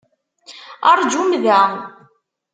Rjum da!